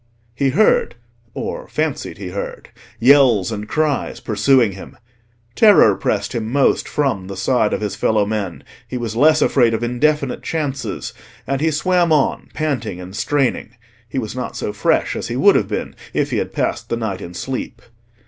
He heard, or fancied he heard, yells and cries pursuing him. Terror pressed him most from the side of his fellow men: he was less afraid of indefinite chances, and he swam on, panting and straining. He was not so fresh as he would have been if he had passed the night in sleep.